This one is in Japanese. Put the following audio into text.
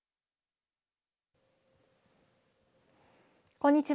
こんにちは。